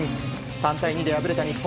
３対２で敗れた日本。